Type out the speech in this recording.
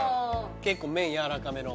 結構麺やわらかめの。